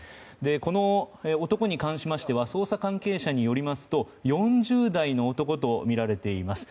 この男に関しましては捜査関係者によりますと４０代の男とみられています。